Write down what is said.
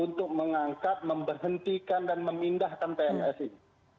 untuk mengangkat memberhentikan dan memindahkan pns ini